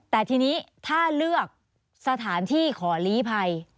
แต่ทีนี้ถ้าเลือกสถานที่ขอลีภัย